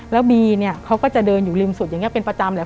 แล้วบีเนี่ยเขาก็จะเดินอยู่ริมสุดอย่างนี้เป็นประจำแหละ